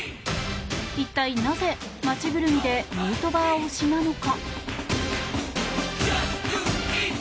一体なぜ、街ぐるみでヌートバー推しなのか。